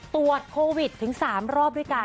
ตรวจโควิดถึง๓รอบด้วยกัน